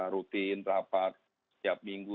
rutin rapat setiap minggu